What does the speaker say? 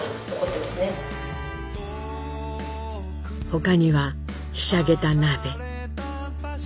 他にはひしゃげた鍋。